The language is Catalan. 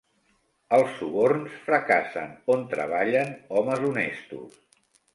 Els suborns fracassen on treballen homes honestos.